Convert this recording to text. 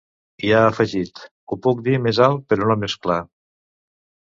I ha afegit: Ho puc dir més alt però no més clar.